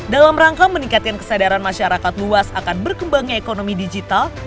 dalam rangka meningkatkan kesadaran masyarakat luas akan berkembangnya ekonomi digital